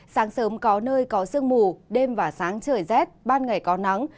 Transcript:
sáng sớm có nơi có sương mù đêm và sáng trời rét ban ngày có nắng